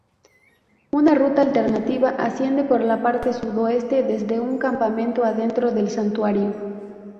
Una ruta alternativa asciende por la parte sudoeste, desde un campamento adentro del Santuario.